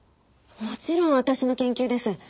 もちろん私の研究です。